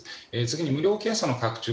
次に無料検査の拡充。